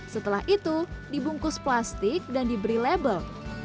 setelah itu dibungkus plastik dan diberi label